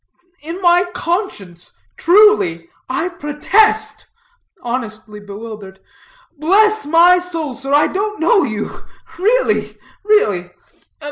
"In my conscience truly I protest," honestly bewildered, "bless my soul, sir, I don't know you really, really.